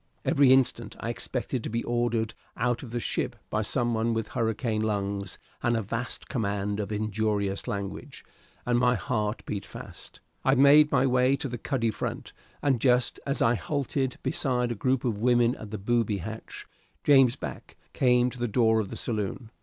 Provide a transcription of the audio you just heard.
Every instant I expected to be ordered out of the ship by some one with hurricane lungs and a vast command of injurious language, and my heart beat fast. I made my way to the cuddy front, and just as I halted beside a group of women at the booby hatch, James Back came to the door of the saloon.